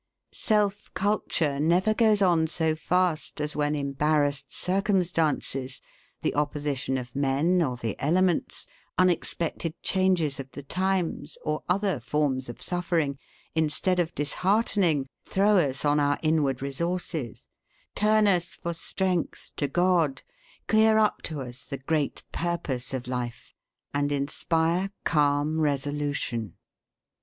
Self culture never goes on so fast as when embarrassed circumstances, the opposition of men or the elements, unexpected changes of the times, or other forms of suffering, instead of disheartening, throw us on our inward resources, turn us for strength to God, clear up to us the great purpose of life, and inspire calm resolution.